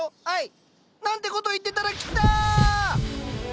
愛！なんてこと言ってたら来た！